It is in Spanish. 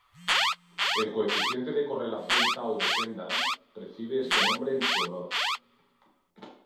El coeficiente de correlación tau de Kendall recibe este nombre en su honor.